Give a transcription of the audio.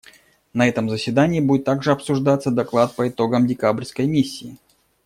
На этом заседании будет также обсуждаться доклад по итогам декабрьской миссии.